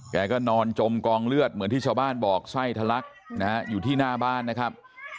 แกก็นอนจมกองเลือดเหมือนที่ชาวบ้านบอกไส้ทะลักนะฮะอยู่ที่หน้าบ้านนะครับ